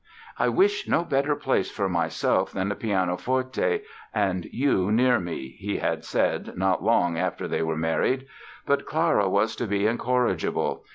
"I wish no better place for myself than a pianoforte and you near me", he had said not long after they were married. But Clara was to be incorrigible.